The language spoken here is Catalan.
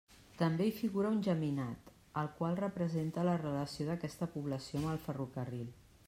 També hi figura un geminat, el qual representa la relació d'aquesta població amb el ferrocarril.